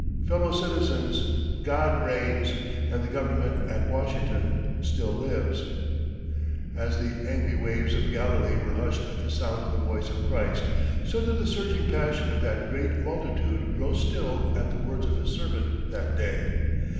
Fellow citizens, God reigns, and the Government at Washington still lives!" As the angry waves of Galilee were hushed at the sound of the voice of Christ, so did the surging passion of that great multitude grow still at the words of His servant that day.